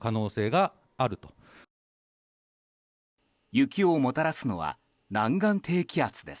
雪をもたらすのは南岸低気圧です。